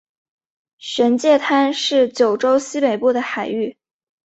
玄界滩是九州西北部的海域。